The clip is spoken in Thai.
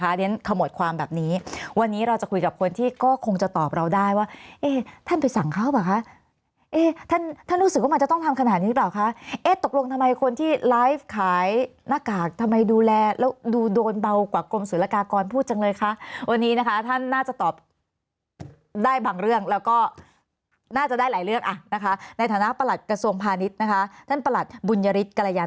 เดี๋ยวฉันขมวดความแบบนี้วันนี้เราจะคุยกับคนที่ก็คงจะตอบเราได้ว่าเอ๊ะท่านไปสั่งเขาเปล่าคะเอ๊ะท่านท่านรู้สึกว่ามันจะต้องทำขนาดนี้หรือเปล่าคะเอ๊ะตกลงทำไมคนที่ไลฟ์ขายหน้ากากทำไมดูแลแล้วดูโดนเบากว่ากรมศุลกากรพูดจังเลยคะวันนี้นะคะท่านน่าจะตอบได้บางเรื่องแล้วก็น่าจะได้หลายเรื่องอ่ะนะคะในฐานะประหลัดกระทรวงพาณิชย์นะคะท่านประหลัดบุญยฤทธกรยา